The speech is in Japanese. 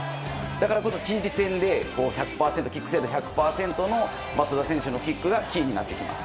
だからこそチリ戦でキック成功率１００％の松田選手のキックがキーになってきます。